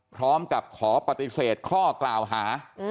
พร้อมกับขอปฏิเสธข้อกล่าวหา